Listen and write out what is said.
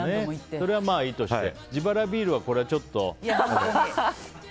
それはいいとして自腹ビールは、ちょっと。